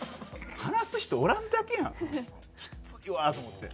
話す人おらんだけやんと思って。